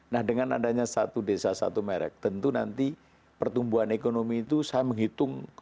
nah dengan adanya satu desa satu merek tentu nanti pertumbuhan ekonomi itu saya menghitung